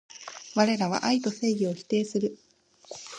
われらは愛と正義を否定する